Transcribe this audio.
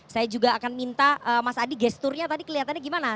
saya juga akan minta mas adi gesturnya tadi kelihatannya gimana